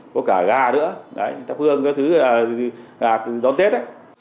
có cả gà nữa các hương các thứ là gà đón tết